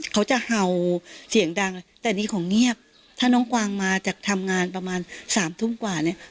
เขาจะเห่าเสียงดังแต่นี่ของเงียบถ้าน้องกวางมาจากทำงานประมาณสามทุ่มกว่าเนี่ย